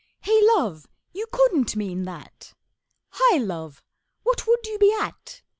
'Hey, Love, you couldn't mean that! Hi, Love, what would you be at?